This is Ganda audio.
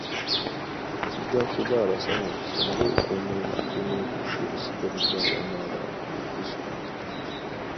Tujja kuba basanyufu singa okuuma enguudo n'ebintu ebigasiriza awamu abantu mu disitulikiti.